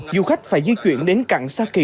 du khách phải di chuyển đến cạn xa kỳ